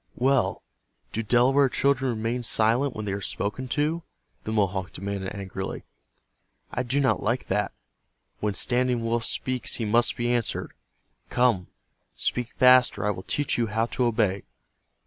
"Well, do Delaware children remain silent when they are spoken to?" the Mohawk demanded, angrily. "I do not like that. When Standing Wolf speaks he must be answered. Come, speak fast or I will teach you how to obey."